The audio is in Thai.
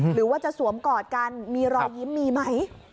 หรือว่าจะสวมกอดกันมีรอยยิ้มมีไหม